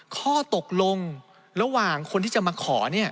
ข้อตกลงระหว่างคนที่จะมาขอ